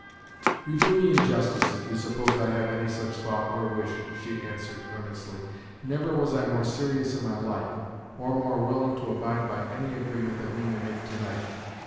"You do me injustice if you suppose I have any such thought, or wish," she answered, earnestly. "Never was I more serious in my life, or more willing to abide by any agreement that we may make to night.